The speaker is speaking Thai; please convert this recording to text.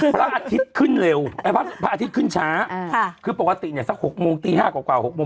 พระอาทิตย์ขึ้นช้าค่ะคือปกติเนี้ยสักหกโมงตีห้ากว่าหกโมง